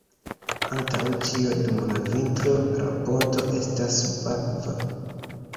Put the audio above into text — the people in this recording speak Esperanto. Antaŭ ĉio dum la vintro la ponto estas subakva.